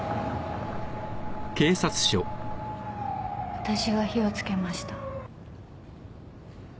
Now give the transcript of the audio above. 私が火を付けました。